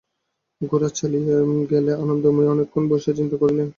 গোরা চলিয়া গেলে আনন্দময়ী অনেকক্ষণ বসিয়া চিন্তা করিলেন।